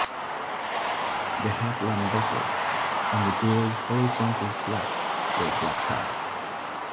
The headlamp bezels and the grille's horizontal slats were blacked-out.